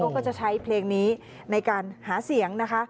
ก็จะใช้เพลงนี้ในการหาเสียงนะคะ